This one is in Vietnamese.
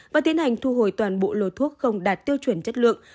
và tiến hành thu hồi toàn bộ lô thuốc không đạt tiêu chuẩn chất lượng